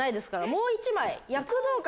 もう１枚。